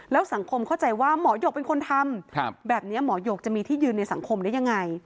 แล้วสังคมเข้าใจว่าหมอหยกเป็นคนทำแบบนี้หมอหยกจะมีที่ยืนในสังคมได้ยังไง